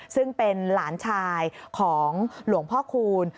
ซึ่งเป็นหลานชายของหลวงพ่อคูณ